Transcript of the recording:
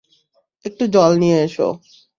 একটু জল নিয়ে এসো।